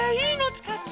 つかって。